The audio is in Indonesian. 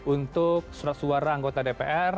untuk surat suara anggota dpr